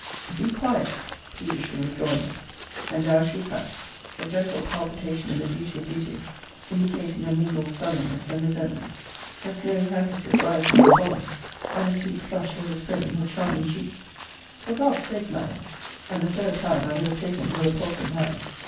Be quiet, [peevishly withdrawing it.] And down she sat; a gentle palpitation in the beauty of beauties indicating a mingled sullenness and resentment; her snowy handkerchief rising and falling, and a sweet flush overspreading her charming cheeks. For God's sake, Madam! [And a third time I would have taken her repulsing hand.